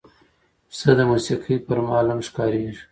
پسه د موسیقۍ پر مهال هم ښکارېږي.